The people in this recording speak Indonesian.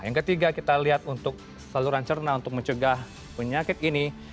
yang ketiga kita lihat untuk saluran cerna untuk mencegah penyakit ini